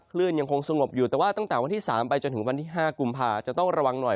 คลื่นยังคงสงบอยู่แต่ว่าตั้งแต่วันที่๓ไปจนถึงวันที่๕กุมภาจะต้องระวังหน่อย